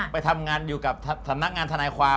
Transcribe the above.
ไปทำงานอยู่กับสำนักงานทนายความ